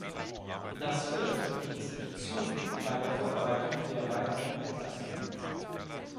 Das wird die Institutionen bei der Vorbereitung der Erweiterung entlasten.